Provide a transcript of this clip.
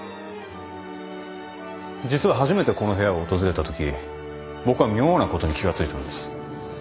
実は初めてこの部屋を訪れたとき僕は妙なことに気が付いたんです。